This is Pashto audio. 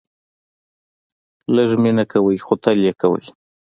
لږ مینه کوئ ، خو تل یې کوئ